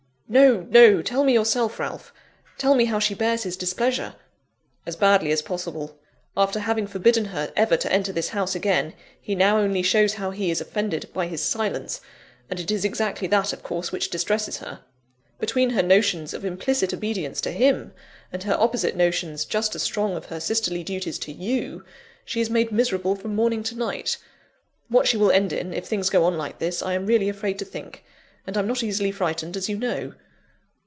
"No! no! tell me yourself, Ralph tell me how she bears his displeasure!" "As badly as possible. After having forbidden her ever to enter this house again, he now only shows how he is offended, by his silence; and it is exactly that, of course, which distresses her. Between her notions of implicit obedience to him, and her opposite notions, just as strong, of her sisterly duties to you, she is made miserable from morning to night. What she will end in, if things go on like this, I am really afraid to think; and I'm not easily frightened, as you know.